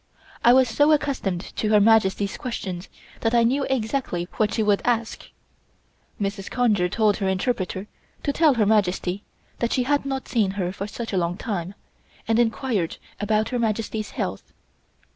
I was so accustomed to Her Majesty's questions that I knew exactly what she would ask. Mrs. Conger told her interpreter to tell Her Majesty that she had not seen her for such a long time, and enquired about Her Majesty's health.